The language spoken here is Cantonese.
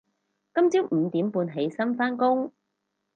今朝五點半起身返工